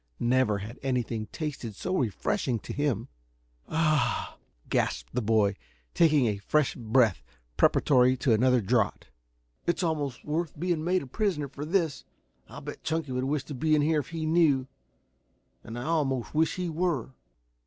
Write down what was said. Never had anything tasted so refreshing to him. "A h h h h!" gasped the boy, taking a fresh breath preparatory to another draught. "It's almost worth being made a prisoner for this. I'll bet Chunky would wish to be in here if he knew. And I almost wish he were."